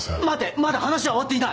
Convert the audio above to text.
まだ話は終わっていない！